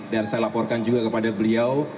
dan saya laporkan juga kepada beliau